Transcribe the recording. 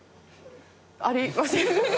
ありません？